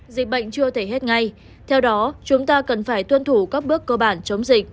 dịch bệnh chưa thể hết ngay theo đó chúng ta cần phải tuân thủ các bước cơ bản chống dịch